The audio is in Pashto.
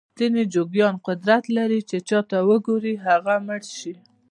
ځینې جوګیان قدرت لري چې چاته وګوري هغه مړ شي.